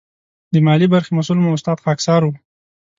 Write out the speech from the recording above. د مالي برخې مسؤل مو استاد خاکسار و.